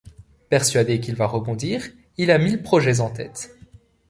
Persuadé qu'il va rebondir, il a mille projets en tête.